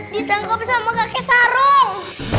ditangkap sama kakek sarung